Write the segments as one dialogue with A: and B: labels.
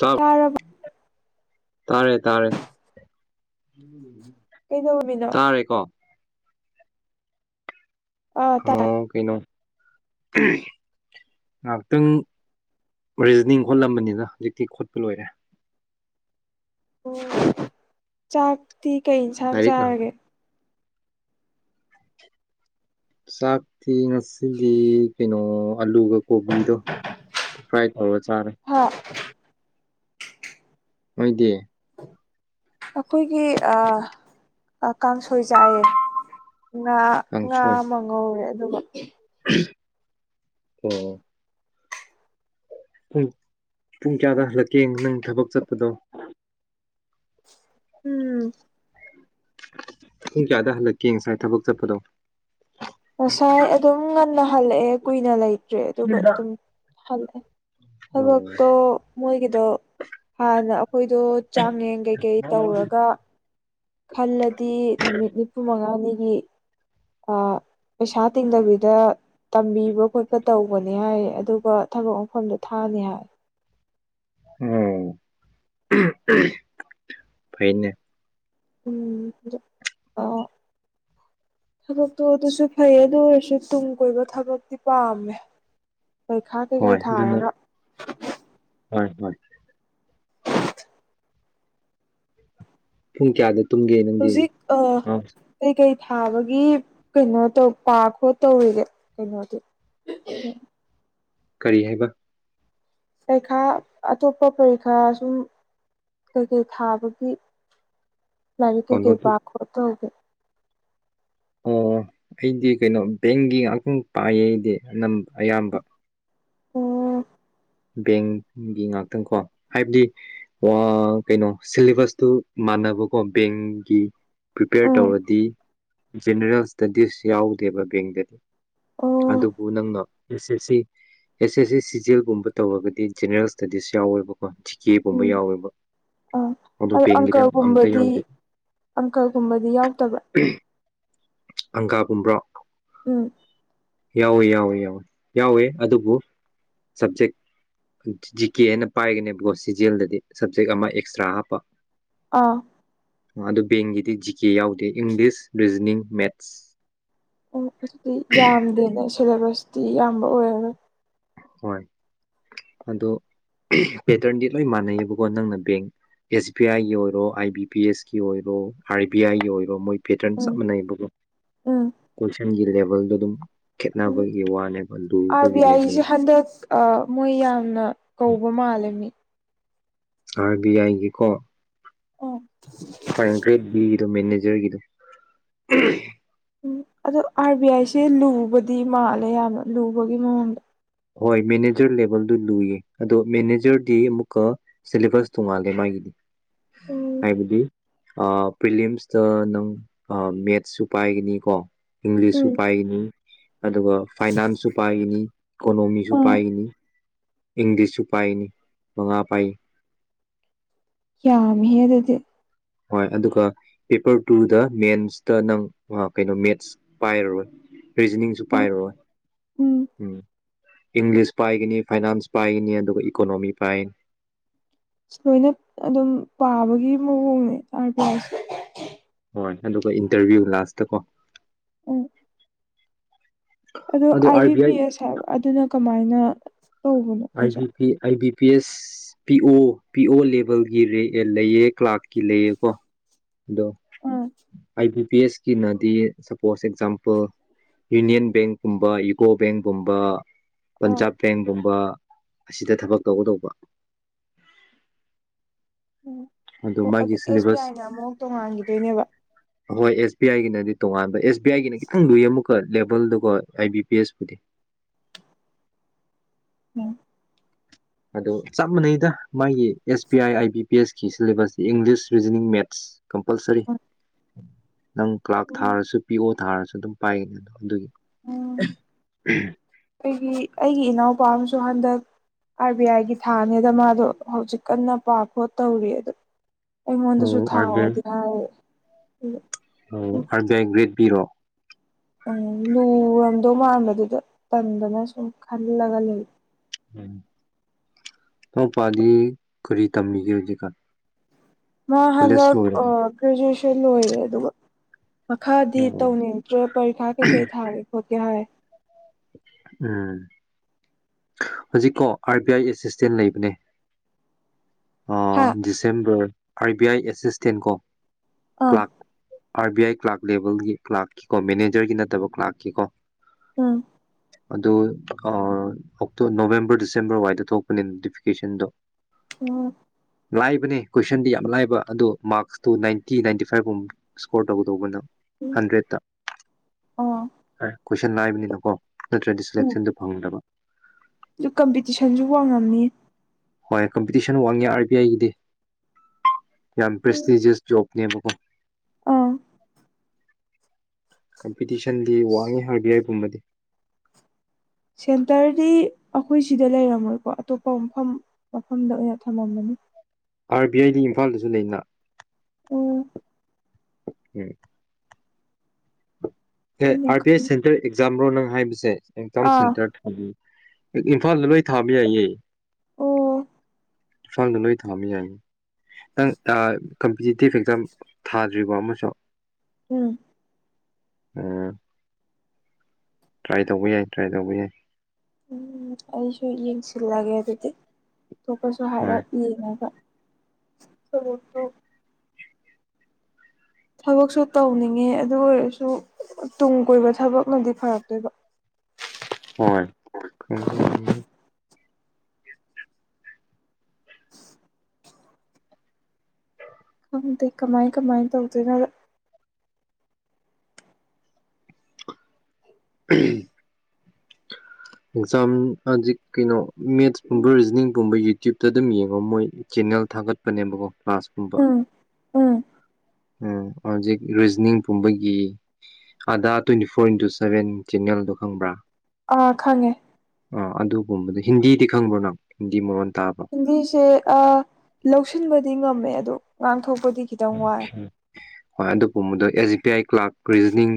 A: ꯇꯥ
B: ꯇꯥꯔꯕ
A: ꯇꯥꯔꯦ ꯇꯥꯔꯦ
B: ꯀꯩꯗꯧꯔꯝꯃꯤꯅꯣ
A: ꯇꯥꯔꯦꯀꯣ
B: ꯑꯥ ꯇꯥꯔꯦ
A: ꯍꯥꯑꯣ ꯀꯩꯅꯣ ꯉꯥꯏꯍꯥꯛꯇꯪ ꯔꯤꯖꯅꯤꯡ ꯈꯣꯠꯂꯝꯕꯅꯤꯅ ꯍꯧꯖꯤꯛꯇꯤ ꯈꯣꯠꯄ ꯂꯣꯏꯔꯦ
B: ꯑꯣ ꯆꯥꯛꯇꯤ ꯀꯩ ꯌꯦꯟꯁꯥꯡ
A: ꯂꯥꯏꯔꯤꯛ ꯉꯥꯏꯍꯥꯛ
B: ꯆꯥꯔꯒꯦ
A: ꯆꯥꯛꯇꯤ ꯉꯁꯤꯗꯤ ꯀꯩꯅꯣ ꯑꯂꯨꯒ ꯀꯣꯕꯤꯗꯣ ꯐ꯭ꯔꯥꯏ ꯇꯧꯔ ꯆꯥꯔꯦ
B: ꯍꯥꯏ
A: ꯍꯣꯏꯗꯤ
B: ꯑꯩꯈꯣꯏꯒꯤ ꯑ ꯀꯥꯡꯁꯣꯏ ꯆꯥꯏꯌꯦ ꯉꯥ ꯉꯥ
A: ꯀꯥꯡꯁꯣꯏ
B: ꯑꯃ ꯉꯧꯔꯦ ꯑꯗꯨꯒ
A: ꯑꯣ ꯄꯨꯡ ꯄꯨꯡ ꯀꯌꯥꯗ ꯍꯜꯂꯛꯀꯦ ꯅꯪ ꯊꯕꯛ ꯆꯠꯄꯗꯣ
B: ꯎꯝ
A: ꯄꯨꯡ ꯀꯌꯥꯗ ꯍꯜꯂꯛꯀꯦ ꯉꯁꯥꯏ ꯊꯕꯛ ꯆꯠꯄꯗꯣ
B: ꯉꯁꯥꯏ ꯑꯗꯨꯝ ꯉꯟꯅ ꯍꯜꯂꯛꯑꯦ ꯀꯨꯏꯅ ꯂꯩꯇ꯭ꯔꯦ ꯑꯗꯨꯒ ꯑꯗꯨꯝ ꯍꯜꯂꯛꯑꯦ
A: ꯑꯣ
B: ꯊꯕꯛꯇꫭ ꯃꯣꯏꯒꯤꯗꯣ ꯍꯥꯟꯅ ꯑꯩꯈꯣꯏꯗꯣ ꯆꯥꯡꯌꯦꯡ ꯀꯩꯀꯩ ꯇꯧꯔꯒ ꯈꯜꯂꯗꯤ ꯅꯨꯃꯤꯠ ꯅꯤꯐꯨ ꯃꯉꯥꯅꯤꯒꯤ ꯑ ꯄꯩꯁꯥ ꯇꯤꯡꯗꯕꯤꯗ ꯇꯝꯕꯤꯕ ꯈꯣꯠꯄ ꯇꯧꯕꯅꯤ ꯍꯥꯏꯌꯦ ꯑꯗꯨꯒ ꯊꯕꯛ ꯃꯐꯝꯗꯣ ꯊꯥꯅꯤ ꯍꯥꯏ
A: ꯑꯣ ꯐꯥꯏꯅꯦ
B: ꯎꯝ ꯑ ꯊꯕꯛꯇꯣ ꯑꯗꯨꯁꯨ ꯐꯩꯌꯦ ꯑꯗꯨ ꯑꯣꯏꯔꯁꯨ ꯇꯨꯡ ꯀꯣꯏꯕ ꯊꯕꯛꯇꯤ ꯄꯥꯝꯃꯦ ꯄꯔꯤꯈꯥ ꯀꯩꯀꯩ
A: ꯍꯣꯏ ꯑꯗꯨꯅ
B: ꯊꯥꯔꯒ
A: ꯍꯣꯏ ꯍꯣꯏ ꯄꯨꯡ ꯀꯌꯥꯗ ꯇꯨꯝꯒꯦ ꯅꯪꯗꯤ
B: ꯍꯧꯖꯤꯛ ꯑ ꯀꯩꯀꯩ ꯊꯥꯕꯒꯤ ꯀꯩꯅꯣ ꯇꯧ ꯄꯥ ꯈꯣꯠ ꯇꯧꯔꯤꯒꯦ ꯀꯩꯅꯣꯗꯤ ꯎꯝ
A: ꯀꯔꯤ ꯍꯥꯏꯕ
B: ꯄꯔꯤꯈꯥ ꯑꯇꯣꯞꯄ ꯄꯔꯤꯈꯥ ꯁꯨꯝ ꯀꯩꯀꯩ ꯊꯥꯕꯒꯤ ꯂꯥꯏꯔꯤꯛ
A: ꯑꯣ
B: ꯀꯩꯀꯩ
A: ꯅꯣꯇꯤ
B: ꯄꯥ ꯈꯣꯠ ꯇꯧꯒꯦ
A: ꯑꯣ ꯑꯩꯗꯤ ꯀꯩꯅꯣ ꯕꯦꯡꯒꯤ ꯉꯥꯛꯇꯪ ꯄꯥꯏꯌꯦꯗꯤ ꯑꯅꯝ ꯑꯌꯥꯝꯕ
B: ꯑꯣ
A: ꯕꯦꯡꯒꯤ ꯉꯥꯛꯇꯪꯀꯣ ꯍꯥꯏꯕꯗꯤ ꯋꯥ ꯀꯩꯅꯣ ꯁꯤꯂꯦꯕꯁꯇꯨ ꯃꯥꯟꯅꯕꯀꯣ ꯕꯦꯡꯒꯤ ꯄ꯭ꯔꯤꯄꯦꯌꯔ
B: ꯑꯥ
A: ꯇꯧꯔꯗꯤ ꯖꯦꯅꯔꯦꯜ ꯏꯁꯇꯗꯤꯁ ꯌꯥꯎꯗꯦꯕ ꯕꯦꯡꯗꯗꯤ
B: ꯑꯣ
A: ꯑꯗꯨꯕꯨ ꯅꯪꯅ ꯑꯦꯁ S C S S C ꯁꯤꯖꯦꯜꯒꯨꯝꯕ ꯇꯧꯔꯒꯗꯤ ꯖꯦꯅꯔꯦꯜ ꯁ꯭ꯇꯗꯤꯁ ꯌꯥꯎꯋꯦꯕ ꯆꯖꯤ ꯀꯦꯒꯨꯝꯕ
B: ꯎꯝ
A: ꯌꯥꯎꯋꯦꯕ
B: ꯑꯥ
A: ꯑꯗꯨ ꯕꯦꯡꯒꯤꯗ ꯑꯝꯇ ꯌꯥꯎꯗꯦ
B: ꯑꯪꯀꯜꯒꯨꯝꯕꯗꯤ ꯌꯥꯎꯗꯕ꯭ꯔꯥ
A: ꯑꯪꯒꯥꯒꯨꯝꯕ꯭ꯔꯣ
B: ꯎꯝ
A: ꯌꯥꯎꯋꯦ ꯌꯥꯎꯋꯤ ꯌꯥꯎꯋꯤ ꯌꯥꯎꯋꯦ ꯑꯗꯨꯕꯨ ꯁꯞꯖꯦꯛ ꯖꯤ ꯀꯦ ꯍꯥꯏꯅ ꯄꯥꯏꯒꯅꯦꯕꯀꯣ ꯁꯤꯖꯤꯦꯜꯗꯗꯤ ꯁꯞꯖꯦꯛ ꯑꯃ ꯑꯦꯛꯁꯇ꯭ꯔꯥ ꯍꯥꯞꯄ
B: ꯑꯥ
A: ꯑꯗꯨ ꯕꯦꯡꯒꯤꯗꯤ ꯖꯤ ꯀꯦ ꯌꯥꯎꯗꯦ ꯏꯪꯂꯤꯁ ꯔꯤꯖꯅꯤꯡ ꯃꯦꯠꯁ
B: ꯎ ꯑꯗꯨꯗꯤ ꯌꯥꯝꯗꯦꯅꯦ ꯁꯤꯦꯂꯦꯕꯁꯇꯤ ꯌꯥꯝꯌꯥꯝꯕ ꯑꯣꯏꯔꯔꯣꯏ
A: ꯍꯣꯏ ꯑꯗꯣ ꯄꯦꯇꯔꯟꯗꯤ ꯂꯣꯏ ꯃꯥꯟꯅꯩꯑꯕꯀꯣ ꯅꯪꯅ ꯕꯦꯡ ꯑꯦꯁ ꯕꯤ ꯑꯥꯏꯒꯤ ꯑꯣꯏꯔꯣ ꯑꯥꯏ ꯕꯤ ꯄꯤ ꯑꯦꯁ ꯀ ꯑꯣꯏꯔꯣ ꯑꯥꯔ ꯕꯤ ꯑꯥꯏꯒꯤ ꯑꯣꯏꯔꯣ ꯃꯣꯏ ꯄꯦꯇꯔꯟ
B: ꯎꯝ
A: ꯆꯞ ꯃꯥꯟꯅꯩꯕꯒꯣ
B: ꯎꯝ
A: ꯀꯣꯏꯁꯟꯒꯤ ꯂꯦꯕꯦꯜꯗꯣ ꯑꯗꯨꯝ
B: ꯎꯝ
A: ꯈꯦꯠꯅꯕꯒꯤ ꯋꯥꯅꯦꯕ
B: ꯑꯥꯔ
A: ꯂꯨꯕꯒꯤ
B: ꯕꯤ
A: ꯂꯦꯕꯦꯜ
B: ꯑꯥꯏꯁꯦ ꯍꯟꯗꯛ ꯃꯣꯏ ꯌꯥꯝꯅ ꯀꯧꯕ ꯃꯥꯜꯂꯤꯃꯤ
A: ꯑꯥꯔ ꯕꯤ ꯑꯥꯏꯒꯤꯀꯣ
B: ꯑꯣ
A: ꯐ ꯀ꯭ꯔꯦꯠ ꯕꯤꯒꯤꯗ ꯃꯦꯅꯦꯖꯔꯒꯤꯗꯣ
B: ꯎꯝ ꯑꯗꯣ ꯑꯥꯔ ꯕꯤ ꯑꯥꯏꯁꯦ ꯂꯨꯕꯗꯤ ꯃꯥꯜꯂꯦ ꯌꯥꯝꯅ ꯂꯨꯕꯒꯤ ꯃꯑꯣꯡꯗ
A: ꯍꯣꯏ ꯃꯦꯅꯦꯖꯔ ꯂꯦꯚꯦꯜꯗꯨ ꯂꯨꯏꯌꯦ ꯑꯗꯣ ꯃꯦꯅꯦꯖꯔꯗꯤ ꯑꯃꯨꯛꯀ ꯁꯤꯂꯦꯕꯁ ꯇꯣꯡꯉꯥꯜꯂꯦ ꯃꯥꯒꯤꯗꯤ
B: ꯎꯝ
A: ꯍꯥꯏꯕꯗꯤ ꯄ꯭ꯔꯤꯂꯤꯌꯝꯁꯇ ꯅꯪ ꯃꯦꯠꯁꯁꯨ ꯄꯥꯏꯒꯅꯤ ꯀꯣ ꯏꯪꯂꯤꯁꯁꯨ
B: ꯎꯝ
A: ꯄꯥꯏꯈꯤꯅꯤ ꯑꯗꯨꯒ ꯐꯥꯏꯅꯥꯟꯁꯁꯨ ꯄꯥꯏꯈꯤꯅꯤ ꯏꯀꯣꯅꯣꯃꯤꯁꯨ
B: ꯑꯥ
A: ꯄꯥꯏꯈꯤꯅꯤ ꯏꯪꯂꯤꯁꯁꯨ ꯄꯥꯏꯅꯤ ꯃꯉꯥ ꯄꯥꯏ
B: ꯌꯥꯝꯃꯤꯍꯦ ꯑꯗꯨꯗꯤ
A: ꯍꯣꯏ ꯑꯗꯨꯒ ꯄꯦꯄꯔ ꯇꯨꯗ ꯃꯦꯟꯁꯇ ꯅꯪ ꯀꯩꯅꯣ ꯃꯦꯠꯁ ꯄꯥꯏꯔꯔꯣꯏ ꯔꯤꯖꯅꯤꯡꯁꯨ
B: ꯎꯝ
A: ꯄꯥꯏꯔꯔꯣꯏ ꯎꯝ ꯏꯪꯂꯤꯁ ꯄꯥꯏꯒꯅꯤ ꯐꯥꯏꯅꯥꯟꯁ ꯄꯥꯏꯒꯅꯤ ꯑꯗꯨꯒ ꯏꯀꯣꯅꯣꯃꯤ ꯄꯥꯏꯒꯅꯤ
B: ꯂꯣꯏꯅ ꯑꯗꯨꯝ ꯄꯥꯕꯒꯤ ꯃꯑꯣꯡꯅꯦ ꯑꯥꯔ ꯄꯁꯦ
A: ꯍꯣꯏ ꯑꯗꯨꯒ ꯏꯟꯇꯔꯚꯤꯌꯨ ꯂꯥꯁꯇ ꯀꯣ
B: ꯎꯝ ꯑꯗꯣ ꯑꯥꯏ ꯕꯤ ꯄꯤ ꯑꯦꯁ ꯍꯥꯏꯕ ꯑꯗꯨꯅ ꯀꯃꯥꯏꯅ ꯇꯧꯕꯅꯣ
A: I B
B: exam
A: P I B P S P O P O ꯂꯦꯚꯦꯜꯒꯤ ꯂꯩꯑ ꯀ꯭ꯂꯥꯛꯀꯤ ꯂꯩꯑ ꯀꯣ ꯑꯗꯣ
B: ꯎꯝ
A: ꯑꯥꯏ ꯕꯤ ꯕꯤ ꯑꯦꯁꯀꯤꯅꯗꯤ ꯁꯄꯣꯁ ꯑꯦꯛꯖꯥꯝꯄꯜ ꯌꯨꯅꯤꯌꯟ ꯕꯦꯡꯀꯨꯝꯕ ꯌꯨꯀꯣ ꯕꯦꯡꯀꯨꯝꯕ
B: ꯑꯣ
A: ꯄꯟꯖꯥꯕ ꯕꯦꯡꯒꯨꯝꯕ ꯑꯁꯤꯗ ꯊꯕꯛ ꯇꯧꯒꯗꯧꯕ
B: ꯎꯝ ꯑꯣ
A: ꯃꯥꯒꯤ
B: ꯑꯗꯨ ꯑꯦꯁ ꯕꯤ
A: ꯁꯤꯂꯦꯕꯁ
B: ꯑꯥꯏꯅ ꯑꯃꯨꯛ ꯇꯣꯡꯉꯥꯟꯈꯤꯗꯣꯏꯅꯦꯕ
A: ꯍꯍꯣꯏ ꯑꯦꯁ ꯕꯤ ꯑꯥꯏꯒꯤꯅꯗꯤ ꯇꯣꯉꯥꯟꯕ ꯑꯦꯁ ꯕꯤ ꯑꯥꯏꯒꯤꯅ ꯈꯤꯇꯪ ꯂꯨꯏ ꯑꯃꯨꯛꯀ ꯂꯦꯕꯜꯗꯨꯀꯣ ꯑꯥꯏ ꯕꯤ ꯄꯤ ꯑꯦꯁꯄꯨꯗꯤ
B: [inaudible]
A: ꯑꯗꯣ ꯆꯞ ꯃꯥꯟꯅꯩꯗ ꯃꯥꯒꯤ S B I I B P S ꯁꯤꯂꯦꯕꯁꯇ ꯏꯪꯂꯤꯁ ꯔꯤꯖꯅꯤꯡ ꯃꯦꯠꯁ ꯀꯝꯄꯜꯁꯔꯤ ꯅꯪ ꯀ꯭ꯂꯥꯛ ꯊꯥꯔꯁꯨ ꯄꯤ ꯑꯣ ꯊꯥꯔꯁꯨ ꯑꯗꯨꯝ ꯄꯥꯏꯒꯅꯤ ꯑꯗꯣ ꯑꯗꯨꯒꯤ
B: ꯑꯩꯒꯤ ꯑꯩꯒꯤ ꯏꯅꯥꯎꯄꯥ ꯑꯃꯁꯨ ꯍꯟꯗꯛ ꯑꯥꯔ ꯕꯤ ꯑꯥꯏꯒꯤ ꯊꯥꯅꯦꯗ ꯃꯥꯗꯣ ꯍꯧꯖꯤꯛ ꯀꯟꯅ ꯄꯥ ꯈꯣ ꯇꯧꯔꯤ ꯑꯗꯨ
A: ꯑꯣ
B: ꯑꯩꯉꯣꯟꯗꯁꯨ
A: ꯑꯥꯔ ꯕꯤ
B: ꯊꯥꯎꯑꯣꯗꯤ ꯍꯥꯏꯔ
A: ꯑꯣ ꯑꯥꯔ ꯕꯤ ꯑꯥꯏ ꯒ꯭ꯔꯦꯠ ꯄꯤꯔꯣ
B: ꯎꯝ ꯂꯨꯔꯝꯗꯧ ꯃꯥꯟꯕꯗꯨꯗ ꯇꯟꯗꯅ ꯁꯨꯝ ꯈꯜꯂꯒ ꯂꯩ
A: ꯎꯝ ꯅꯎꯄꯥꯗꯤ ꯀꯔꯤ ꯇꯝꯕꯤꯒꯦ ꯍꯧꯖꯤꯛꯀꯥꯟ
B: ꯃꯥ
A: ꯀꯣꯂꯦꯖ
B: ꯍꯟꯗꯛ
A: ꯂꯣꯏꯔꯕꯣ
B: ꯒ꯭ꯔꯦꯖꯨꯑꯦꯁꯟ ꯂꯣꯏꯔꯦ ꯑꯗꯨꯒ ꯃꯈꯥꯗꯤ ꯇꯧꯅꯤꯡꯗ꯭ꯔꯦ ꯄꯔꯤꯈꯥ ꯀꯩ ꯀꯩ ꯊꯥꯒꯦ ꯈꯣꯠꯀꯦ ꯍꯥꯏꯔꯦ
A: ꯎꯝ ꯍꯧꯖꯤꯛꯀꯣ ꯑꯥꯔ ꯕꯤ ꯑꯥꯏ ꯑꯦꯁꯤꯁꯇꯦꯟ ꯂꯩꯕꯅꯦ
B: ꯍꯥ
A: ꯗꯤꯁꯦꯝꯕꯔ ꯑꯥꯔꯕꯤ ꯑꯥꯏ ꯑꯦꯁꯤꯁꯇꯦꯟ ꯀꯣ
B: ꯑꯥ
A: clerk R B I clerk ꯂꯦꯕꯦꯜꯒꯤ ꯀ꯭ꯂꯥꯛꯀꯤꯀꯣ ꯃꯦꯅꯦꯖꯔꯒꯤ ꯅꯠꯇꯕ ꯀ꯭ꯂꯥꯛꯀꯤ ꯀꯣ
B: ꯎꯝ
A: ꯑꯗꯨ ꯑ ꯑꯣ ꯅꯣꯕꯦꯝꯕꯔ ꯗꯤꯁꯦꯝꯕꯔ ꯋꯥꯋꯥꯏꯗ ꯊꯣꯛꯄꯅꯦ ꯅꯣꯇꯤꯐꯤꯀꯦꯁꯟꯗꯣ
B: [unintelligible]
A: ꯂꯥꯏꯕꯅꯦ ꯀꯣꯏꯁꯟꯗꯤ ꯌꯥꯝ ꯂꯥꯏꯕ ꯑꯗꯨ ꯃꯥꯔꯛꯁꯇꯨ ꯅꯥꯏꯟꯇꯤ ꯅꯥꯏꯟꯇꯤ ꯐꯥꯏꯚꯨꯝꯕ ꯁꯀꯣꯔ ꯇꯒ ꯇꯧꯕ
B: ꯎꯝ
A: ꯍꯟꯗ꯭ꯔꯦꯠꯇ
B: ꯑꯥ
A: ꯀꯣꯏꯁꯟ ꯂꯥꯏꯕꯅꯤꯅꯀꯣ ꯅꯠꯇ꯭ꯔꯗꯤ
B: ꯎꯝ
A: ꯁꯂꯦꯛꯁꯟꯗꯨ ꯐꯪꯗꯕ
B: ꯑꯗꯨ ꯀꯝꯄꯤꯇꯤꯁꯟꯁꯨ ꯋꯥꯡꯉꯝꯃꯤ
A: ꯍꯣꯏ ꯀꯝꯄꯤꯇꯤꯁꯟ ꯋꯥꯡꯉꯦ ꯑꯥꯔ ꯕꯤ ꯑꯥꯏꯒꯤꯗꯤ ꯌꯥꯝ ꯄ꯭ꯔꯦꯁꯇꯤꯖꯤꯁ ꯖꯣꯕꯅꯦꯕꯀꯣ
B: ꯑꯥ
A: ꯀꯝꯄꯤꯇꯤꯁꯟꯗꯤ ꯋꯥꯡꯉꯤ ꯍꯔꯕꯤ ꯌꯥꯏ ꯄꯨꯝꯕꯗꯤ
B: ꯁꯦꯟꯇꯔꯗꯤ ꯑꯩꯈꯣꯏ ꯁꯤꯗ ꯂꯩꯔꯝꯃꯣꯏꯀꯣ ꯑꯇꯣꯞꯄ ꯃꯐꯝ ꯃꯐꯝꯗ ꯑꯣꯏꯅ ꯊꯝꯃꯃꯅꯤ
A: ꯑꯥꯔ ꯕꯤ ꯑꯥꯏꯗꯤ ꯏꯝꯐꯥꯜꯗꯁꯨ ꯂꯩꯅ
B: ꯎꯝ
A: ꯎꯝ ꯑꯦ
B: ꯑꯩꯅ
A: ꯑꯥꯔ ꯄꯤ
B: ꯈꯜ
A: ꯑꯦꯁ ꯁꯦꯟꯇꯔ ꯑꯦꯛꯖꯥꯝ꯭ꯔꯣ ꯅꯪ ꯍꯥꯏꯕꯁꯦ ꯑꯦꯛꯖꯥꯝ
B: ꯑꯥ
A: ꯁꯦꯟꯇꯔꯗ ꯑꯗꯨ ꯏꯝꯐꯥꯜꯗ ꯂꯣꯏ ꯊꯥꯕ ꯌꯥꯏꯌꯦ
B: ꯑꯣ
A: ꯐꯗꯅ ꯊꯃꯤ ꯍꯥꯏꯏ ꯐꯤꯖꯤꯇꯤ ꯐꯦꯛꯇꯔ ꯊꯥꯗ꯭ꯔꯤꯕ ꯑꯃꯁꯨ
B: ꯎꯝ
A: ꯎꯝ ꯇ꯭ꯔꯥꯏ ꯇꯧꯕ ꯌꯥꯏ ꯇ꯭ꯔꯥꯏ ꯇꯧꯕ ꯌꯥꯏ
B: ꯎꯝ ꯑꯩꯁꯨ ꯌꯦꯡꯁꯤꯜꯂꯒꯦ ꯑꯗꯨꯗꯤ ꯇꯣꯞꯄꯁꯨ ꯍꯥꯏꯔꯞ ꯌꯦꯡꯉꯒ ꯁꯂꯣꯛꯇꯣ ꯊꯕꯛꯁꯨ ꯇꯧꯅꯤꯡꯉꯦ ꯑꯗꯨ ꯑꯣꯏꯔꯁꯨ ꯇꯨꯡ ꯀꯣꯏꯕ ꯊꯕꯛꯅꯗꯤ ꯐꯔꯛꯇꯣꯏꯕ
A: ꯍꯣꯏ
B: ꯈꯪꯗꯦ ꯀꯃꯥꯏ ꯀꯃꯥꯏꯅ ꯇꯧꯗꯦꯅꯣꯗ [inaudible]
A: ꯑꯦꯛꯖꯥꯝꯖꯤꯛ ꯀꯩꯅꯣ ꯃꯦꯠꯁꯀꯨꯝꯕ ꯔꯤꯖꯅꯤꯡꯒꯨꯝꯕ ꯌꯨꯇ꯭ꯌꯨꯕꯇ ꯑꯗꯨꯝ ꯌꯦꯡꯉꯣ ꯃꯣꯏ ꯆꯦꯟꯅꯜ ꯊꯥꯒꯠꯄꯅꯦꯕꯀꯣ ꯀ꯭ꯂꯥꯁꯀꯨꯝꯕ
B: ꯎꯝ ꯎꯝ
A: ꯎꯝ ꯍꯧꯖꯤꯛ ꯔꯤꯖꯅꯤꯡ ꯄꯨꯝꯕꯒꯤ ꯑꯥꯗꯥ ꯇ꯭ꯋꯦꯟꯇꯤ ꯐꯣꯔ ꯏꯟꯇꯨ ꯁꯚꯦꯟ ꯆꯦꯅꯦꯜꯗꯣ ꯈꯪꯕ꯭ꯔꯥ
B: ꯑꯥ ꯈꯪꯉꯦ
A: ꯑꯥ ꯑꯗꯨꯒꯨꯝꯕꯗ ꯍꯤꯟꯗꯤꯗꯤ ꯈꯪꯕ꯭ꯔꯣ ꯅꯪ ꯍꯤꯟꯗꯤ ꯃꯔꯣꯟ ꯇꯥꯕ꯭ꯔ
B: ꯍꯤꯟꯗꯤꯁꯦ ꯂꯧꯁꯤꯟꯕꯗꯤ ꯉꯝꯃꯦ ꯑꯗꯣ ꯉꯥꯡꯊꯣꯛꯄꯗꯤ ꯈꯤꯇꯪ ꯋꯥꯏ
A: ꯍꯣꯏ ꯑꯗꯨ ꯄꯨꯝ ꯃꯗ S B I clerk reasoning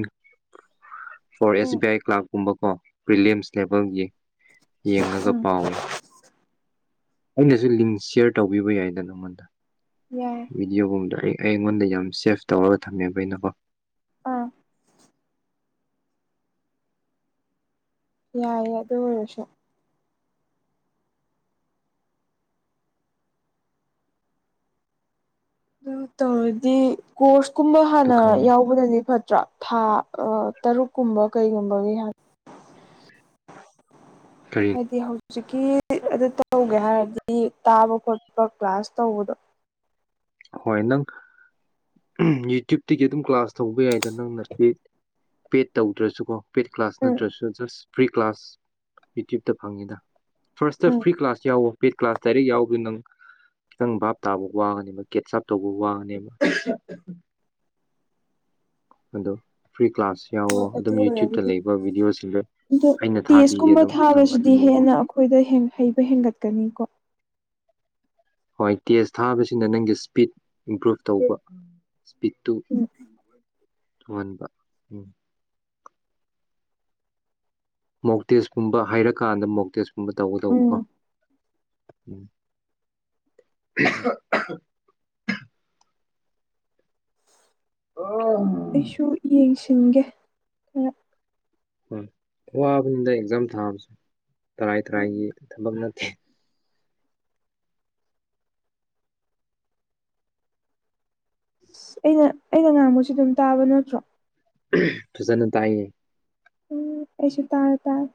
A: for S
B: um
A: B I ꯀ꯭ꯂꯥꯛꯀꯨꯝꯕ ꯀꯣ ꯄꯔꯤꯂꯤꯌꯝꯁ ꯂꯦꯚꯦꯜꯒꯤ ꯌꯦꯡꯉꯒ
B: ꯎꯝ
A: ꯄꯥꯎ ꯑꯩꯅꯁꯨ ꯂꯤꯡ ꯁꯤꯌꯔ ꯇꯧꯕꯤꯕ ꯌꯥꯏꯗꯅ ꯅꯪꯉꯣꯟꯗ
B: ꯌꯥꯏ
A: ꯚꯗꯤꯑꯣꯒꯨꯝꯕꯗꯣ ꯑꯩ ꯑꯩꯉꯣꯟꯗ ꯌꯥꯝ ꯁꯦꯐ ꯇꯧꯔꯒ ꯊꯝꯃꯦꯕ ꯑꯩꯅꯀꯣ
B: ꯑꯥ ꯌꯥꯏꯌꯦ ꯑꯗꯨ ꯑꯣꯏꯔꯁꯨ ꯑꯗꯨ ꯇꯧꯔꯗꯤ ꯀꯣꯔꯁ ꯀꯨꯝꯕ
A: ꯑꯗꯨ
B: ꯍꯥꯟꯅ
A: ꯈꯪ
B: ꯌꯥꯎꯕꯅꯗꯤ ꯐꯠꯇ꯭ꯔꯥ ꯊꯥ ꯇꯔꯨꯛ ꯀꯨꯝꯕ ꯀꯩꯒꯨꯝꯕꯒꯤ
A: ꯀꯔꯤ
B: ꯍꯥꯏꯗꯤ ꯍꯧꯖꯤꯛꯀꯤ ꯑꯗꯨ ꯇꯧꯒꯦ ꯍꯥꯏꯔꯗꯤ ꯇꯥꯕ ꯈꯣꯠꯄ ꯀ꯭ꯂꯥꯁ ꯇꯧꯕꯗꯣ
A: ꯍꯣꯏ ꯅꯪ ꯌꯨꯇ꯭ꯌꯨꯕꯇꯒꯤ ꯑꯗꯨꯝ ꯀ꯭ꯂꯥꯁ ꯇꯧꯕ ꯌꯥꯏꯗ ꯅꯪꯅ ꯁꯤ ꯄꯦꯠ ꯇꯧꯗ꯭ꯔꯁꯨꯀꯣ ꯄꯦꯗ ꯀ꯭ꯂꯥꯁ
B: ꯎꯝ
A: ꯅꯠꯇ꯭ꯔꯁꯨ ꯖꯁ ꯐ꯭ꯔꯤ ꯀ꯭ꯂꯥꯁ ꯌꯨꯇ꯭ꯌꯕꯇ ꯐꯪꯉꯤꯗ ꯐꯥꯔꯁꯇ
B: ꯎꯝ
A: ꯐ꯭ꯔꯤ ꯀ꯭ꯂꯥꯁ ꯌꯥꯎꯕ ꯄꯦꯗ ꯀ꯭ꯂꯥꯁ ꯗꯥꯏꯔꯦꯛ ꯌꯥꯎꯕꯗꯨ ꯅꯪ ꯈꯤꯇꯪ ꯚꯥꯞ ꯇꯥꯕ ꯋꯥꯒꯅꯤ ꯀꯒꯦꯠꯁꯞ ꯇꯧꯕ ꯋꯥꯡꯉꯅꯦꯕ ꯑꯗꯣ ꯐ꯭ꯔꯤ ꯀ꯭ꯂꯥꯁ
B: ꯍꯣꯏ
A: ꯌꯥꯎꯋꯣ
B: ꯑꯗꯨ
A: ꯑꯗꯨꯝ ꯌꯨꯇ꯭ꯌꯨꯕꯇ
B: ꯑꯣꯏꯔꯕꯨꯗꯤ
A: ꯂꯩꯕ ꯚꯤꯗꯤꯑꯣꯁꯤꯡꯗꯣ
B: ꯑꯗꯣ
A: ꯑꯩꯅ ꯊꯥꯕꯤꯒꯦ
B: ꯇꯦꯁꯀꯨꯝꯕ
A: ꯑꯗꯨꯝ ꯅꯪꯉꯅꯤ
B: ꯊꯥꯕꯁꯤꯗꯤ
A: ꯌꯦꯡꯉꯣ
B: ꯍꯦꯟꯅ ꯑꯩꯈꯣꯏꯗ ꯍꯩꯕ ꯍꯦꯟꯒꯠꯀꯅꯤ ꯀꯣ
A: ꯍꯣꯏ ꯇꯦꯖ ꯊꯥꯕꯁꯤꯅ ꯅꯪꯒꯤ ꯏꯁꯄꯤꯠ ꯏꯝꯄ꯭ꯔꯨꯚ ꯇꯧꯕ ꯏꯁꯄꯤꯠꯇꯨ
B: ꯎꯝ
A: ꯊꯨꯃꯟꯕ ꯎꯝ ꯃꯣꯛꯇꯦꯁꯀꯨꯝꯕ ꯍꯥꯏꯔꯀꯥꯟꯗ ꯃꯣꯛꯇꯦꯁꯀꯨꯝꯕ
B: ꯎꯝ
A: ꯇꯧꯒꯗꯧꯕꯀꯣ ꯎꯝ ꯑꯣ
B: ꯑꯩꯁꯨ ꯌꯦꯡꯁꯤꯟꯒꯦ ꯈꯔ
A: ꯑꯝ ꯋꯥꯕꯅꯤꯗ ꯑꯦꯛꯖꯥꯝ ꯊꯥꯕꯁ ꯇꯔꯥꯏ ꯇꯔꯥꯏꯒꯤ ꯊꯕꯛ ꯅꯠꯊꯦ
B: ꯇ ꯑꯩꯅ ꯑꯩꯅ ꯉꯥꯡꯕꯁꯤ ꯑꯗꯨꯝ ꯇꯥꯕ ꯅꯠꯇ꯭ꯔꯣ
A: ꯐꯖꯅ ꯇꯥꯏꯌꯦ
B: ꯑꯦꯁꯨ ꯇꯥꯔꯦ ꯇꯥꯔ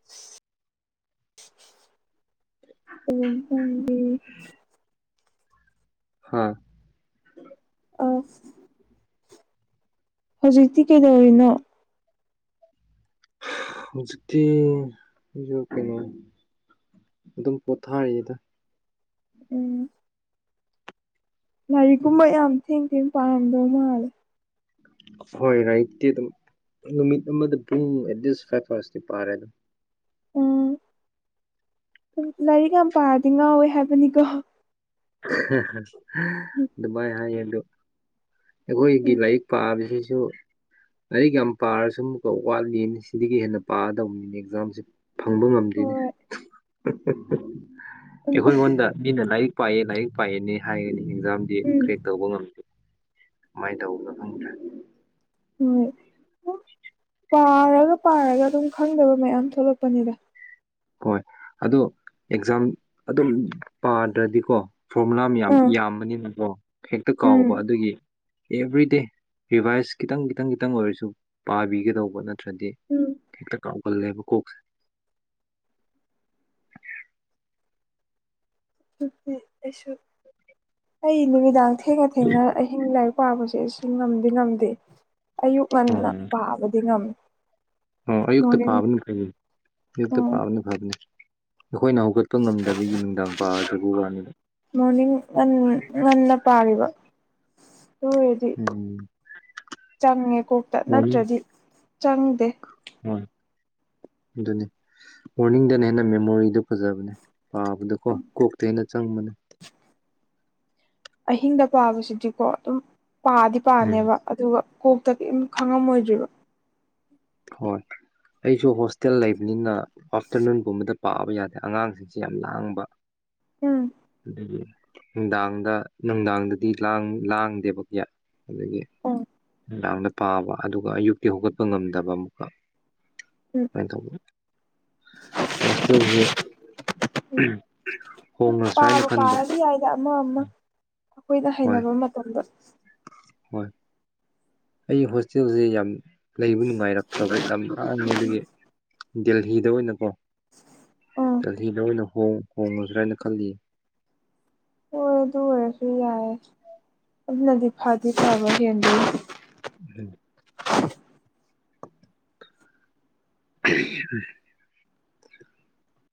B: [inaudible] [inaudible] ꯑꯣꯂꯣꯝ ꯈꯪꯕꯤ
A: ꯍꯥ
B: ꯑꯁ ꯍꯧꯖꯤꯛꯇꯤ ꯀꯩꯗꯧꯔꯤꯅꯣ
A: ꯍꯧꯖꯤꯛꯇꯤ ꯑꯩꯖꯨ ꯀꯩꯅꯣ ꯑꯗꯨꯝ ꯄꯣꯊꯥꯔꯤꯌꯦꯗ
B: ꯎꯝ ꯂꯥꯏꯔꯤꯛꯀꯨꯝꯕ ꯌꯥꯝ ꯊꯦꯡ ꯊꯦꯡ ꯄꯥꯔꯝꯗꯧ ꯃꯥꯜꯂꯦ
A: ꯍꯣꯏ ꯂꯥꯏꯔꯤꯛꯇꯤ ꯑꯗꯨꯝ ꯅꯨꯃꯤꯠ ꯑꯃꯗ ꯄꯨꯡ ꯑꯦꯠꯗꯤꯁ ꯐꯥꯏꯚ ꯄꯔꯁꯇꯤ ꯄꯥꯔꯦ ꯑꯗꯨꯝ
B: ꯎꯝ ꯂꯥꯏꯔꯤꯛ ꯌꯥꯝ ꯄꯥꯔꯗꯤ ꯉꯥꯎꯋꯦ ꯍꯥꯏꯕꯅꯤꯀꯣ
A: ꯍ ꯍ ꯑꯗꯨꯃꯥꯏ ꯍꯥꯏꯌꯦꯗꯨ ꯑꯩꯈꯣꯏꯒꯤ ꯂꯥꯏꯔꯤꯛ ꯄꯥꯕꯁꯤꯁꯨ ꯂꯥꯏꯔꯤꯛ ꯌꯥꯝ ꯄꯥꯔꯁꯨꯝ ꯃꯨꯀ ꯋꯥꯠꯂꯤꯟ ꯁꯤꯗꯒꯤ ꯍꯦꯟꯅ ꯄꯥꯗꯧꯅꯤꯅꯦ ꯑꯦꯛꯖꯥꯝꯁꯦ ꯐꯪꯕ ꯉꯝꯗꯦꯅꯦ
B: ꯍꯣꯏ
A: ꯑꯩꯈꯣꯏꯉꯣꯟꯗ ꯃꯤꯅ ꯂꯥꯏꯔꯤꯛ ꯄꯥꯏꯌꯦ ꯂꯥꯏꯔꯤꯛ ꯄꯥꯏꯌꯦꯅꯤ ꯍꯥꯏꯒꯅꯤ ꯑꯦꯛꯖꯥꯝꯗꯤ
B: ꯎꯝ
A: ꯀ꯭ꯔꯦꯛ ꯇꯧꯕ ꯉꯝꯗꯦ ꯃꯥꯏꯟ ꯇꯧꯕꯅꯣ ꯈꯪꯗ꯭ꯔꯦ
B: ꯍꯝ ꯅ ꯄꯥꯔꯒ ꯄꯥꯔꯒ ꯑꯗꯨꯝ ꯈꯪꯗꯕ ꯃꯌꯥꯝ ꯊꯣꯛꯂꯛꯄꯅꯤꯗ
A: ꯍꯣꯏ ꯑꯗꯣ ꯑꯦꯛꯖꯥꯝ ꯑꯗꯨꯝ ꯄꯥꯗ꯭ꯔꯗꯤꯒꯣ ꯐꯣꯔꯃꯨꯂꯥ ꯃꯌꯥꯝ
B: ꯑꯥ
A: ꯌꯥꯝꯕꯅꯤꯅꯒꯣ ꯍꯦꯛꯇ ꯀꯥꯎꯕ
B: ꯎꯝ
A: ꯑꯗꯨꯒꯤ ꯑꯦꯕ꯭ꯔꯤꯗꯦ ꯔꯤꯚꯥꯏꯁ ꯈꯤꯗꯪ ꯈꯤꯗꯪ ꯈꯤꯗꯪ ꯑꯣꯏꯔꯁꯨ ꯄꯥꯕꯤꯒꯗꯧꯕ ꯅꯠꯇ꯭ꯔꯗꯤ
B: ꯎꯝ
A: ꯍꯦꯛꯇ ꯀꯥꯎꯒꯜꯂꯦꯕ ꯀꯣꯛꯁꯦ [inaudible]
B: ꯇꯨꯇꯤ ꯑꯩꯁꯨ ꯑꯩ ꯅꯨꯃꯤꯗꯥꯡ ꯊꯦꯡꯅ ꯊꯦꯡꯅ ꯑꯍꯤꯡ ꯂꯥꯏꯔꯤꯛ ꯄꯥꯕꯁꯦ ꯁꯤ ꯉꯝꯗꯤ ꯉꯝꯗꯦ ꯑꯌꯨꯛ ꯉꯟꯅ
A: ꯎꯝ
B: ꯄꯥꯕꯗꯤ ꯉꯝꯃꯤ
A: ꯑꯣ ꯑꯌꯨꯛꯇ
B: ꯃꯣꯔꯅꯤꯡ
A: ꯄꯥꯕꯅ ꯐꯩꯌꯦ ꯑꯌꯨꯛꯇ
B: ꯎꯝ
A: ꯄꯥꯕꯅ ꯐꯕꯅꯦ ꯑꯩꯈꯣꯏ ꯅꯥꯎꯒꯠ ꯄ ꯉꯝꯗꯕꯒꯤ ꯅꯨꯡꯗꯥꯡ ꯄꯥ ꯖꯒꯣ ꯋꯥꯅꯤꯗ
B: ꯃꯣꯔꯅꯤꯡ ꯉꯟ ꯉꯟꯅ ꯄꯥꯔꯤꯕ ꯇꯣꯏꯌꯤꯠ ꯗꯤ
A: ꯎꯝ
B: ꯆꯪꯉꯦ ꯀꯣꯛꯇ
A: ꯃꯣꯔꯅꯤꯡ
B: ꯅꯠꯇ꯭ꯔꯗꯤ ꯆꯪꯗꯦ
A: ꯗꯨꯅꯤ ꯃꯣꯔꯅꯤꯡꯗꯅ ꯍꯦꯟꯅ ꯃꯦꯃꯣꯔꯤꯗꯨ ꯐꯖꯕꯅꯦ ꯄꯥꯕꯗꯀꯣ ꯀꯣꯛꯇ ꯍꯦꯟꯅ ꯆꯪꯕꯅꯦ
B: ꯑꯍꯤꯡꯗ ꯄꯥꯕꯁꯤꯗꯤꯀꯣ ꯑꯗꯨꯝ ꯄꯥꯗꯤ
A: ꯎꯝ
B: ꯄꯥꯅꯦꯕ ꯑꯗꯨꯒ ꯀꯣꯛꯇ ꯀꯧꯏꯝ ꯈꯪꯉꯝꯃꯣꯏꯗ꯭ꯔꯤꯕ
A: ꯍꯣꯏ ꯑꯩꯁꯨ ꯍꯣꯁꯇꯦꯜ ꯂꯩꯕꯅꯤꯅ ꯑꯥꯐꯇꯔꯅꯨꯟꯒꯨꯝꯕꯗꯠ ꯄꯥꯕ ꯌꯥꯗꯦ ꯑꯉꯥꯡꯁꯤꯡꯁꯤ ꯌꯥꯝ ꯂꯥꯡꯕ
B: ꯎꯝ
A: ꯑꯗꯨꯒꯤ ꯅꯨꯡꯗꯥꯡꯗ ꯅꯨꯡꯗꯥꯡꯗꯗꯤ ꯂꯥꯡ ꯂꯥꯡꯗꯦꯕ ꯀꯤꯌꯥ ꯑꯗꯒꯤ
B: ꯎꯝ
A: ꯅꯨꯡꯗꯥꯡꯗ ꯄꯥꯕ ꯑꯗꯨꯒ ꯑꯌꯨꯛꯇꯤ ꯍꯨꯒꯠꯄ ꯉꯝꯗꯕ ꯑꯃꯨꯛꯀ
B: ꯎꯝ
A: ꯑꯃꯥꯏꯟ ꯇꯧꯕꯗꯨ ꯁ ꯍꯣꯅ
B: ꯄꯥꯔ ꯄꯥꯔꯗꯤ ꯌꯥꯏꯗ ꯑꯃ ꯑꯃ ꯑꯩꯈꯣꯏꯗ
A: ꯍꯣꯏ
B: ꯍꯩꯅꯕ ꯃꯇꯝꯗ
A: ꯍꯣꯏ ꯑꯩ ꯍꯣꯁꯇꯦꯜꯁꯦ ꯌꯥꯝ ꯂꯩꯕ ꯅꯨꯡꯉꯥꯏꯔꯛꯇ꯭ꯔꯕ ꯌꯥꯝ ꯉꯥꯡꯃꯦ ꯑꯗꯨꯒꯤ ꯗꯦꯜꯍꯤꯗ ꯑꯣꯏꯅꯀꯣ
B: ꯎꯝ
A: ꯗꯦꯜꯍꯤꯗ ꯑꯣꯏꯅ ꯍꯣꯡꯉꯗ꯭ꯔ ꯍꯥꯏꯅ ꯈꯜꯂꯤꯌꯦ
B: ꯑꯣꯏꯔ ꯑꯗꯨ ꯑꯣꯏꯔꯁꯨ ꯌꯥꯏꯦ ꯑꯗꯨꯅꯗꯤ ꯐꯥꯗꯤ ꯐꯥꯕ ꯍꯦꯟꯗ
A: ꯎꯝ [inaudible]